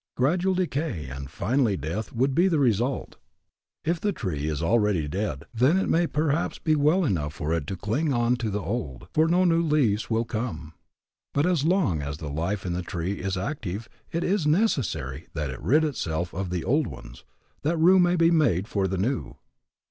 Gradual decay and finally death would be the result. If the tree is already dead, then it may perhaps be well enough for it to cling on to the old, for no new leaves will come. But as long as the life in the tree is active, it is necessary that it rid itself of the old ones, that room may be made for the new.